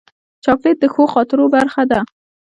چاکلېټ د ښو خاطرو برخه ده.